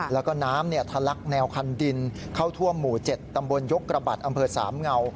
แล้วก็น้ำทะลักแนวคันดินเข้าท่วมหมู่๗ตำบลยกระบัดอำเภอสามเงา